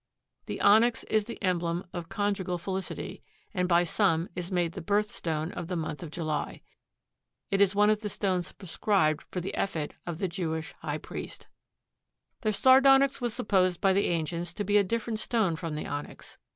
The onyx is the emblem of conjugal felicity and by some is made the "birth stone" of the month of July. It is one of the stones prescribed for the ephod of the Jewish High Priest. The sardonyx was supposed by the ancients to be a different stone from the onyx.